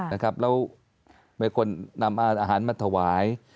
แล้วเป็นคนนำอาหารมาถวาย